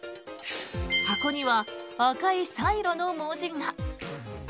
箱には赤いサイロの文字が。